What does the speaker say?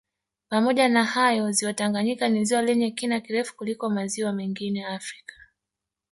Pamoja na hayo ziwa Tanganyika ni ziwa lenye kina kirefu kuliko maziwa mengine Afrika